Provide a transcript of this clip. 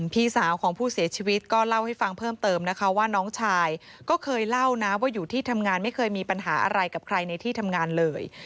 พี่สาวของผู้เสียชีวิตก็เล่าให้ฟังเพิ่มเติมนะคะว่าน้องชายก็เคยเล่านะว่าอยู่ที่ทำงานไม่เคยมีปัญหาอะไรกับใครในที่ทำงานเลย